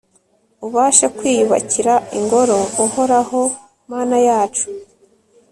ubashe kwiyubakira ingoro, uhoraho mana yacu